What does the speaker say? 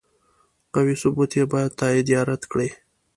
قوي ثبوت یې باید تایید یا رد کړي.